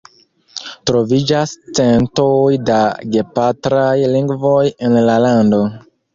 Troviĝas centoj da gepatraj lingvoj en la lando.